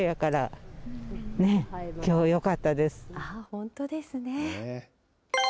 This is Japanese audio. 本当ですね。